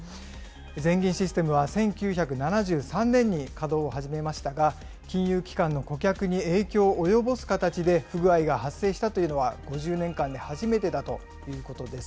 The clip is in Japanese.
全銀システムは、１９７３年に稼働を始めましたが、金融機関が顧客に影響を及ぼす形で不具合が発生したというのは、５０年間で初めてだということです。